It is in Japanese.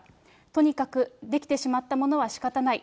とにかく出来てしまったものはしかたない。